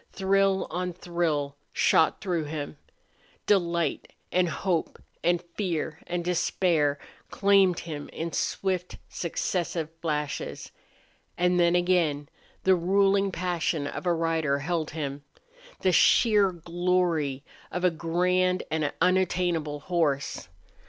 Thrill on thrill shot through him. Delight and hope and fear and despair claimed him in swift, successive flashes. And then again the ruling passion of a rider held him the sheer glory of a grand and unattainable horse.